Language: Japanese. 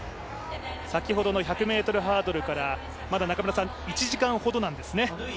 先ほどの１００ｍハードルから１時間ほどなんですね。